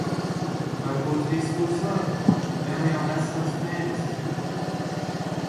Varbūt viss būs labi? Vēl jau vesels mēnesis.